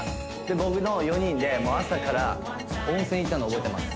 僕の４人で朝から温泉行ったの覚えてます